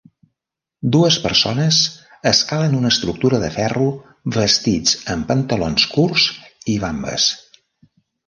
Dues persones escalen una estructura de ferro vestits amb pantalons curts i vambes.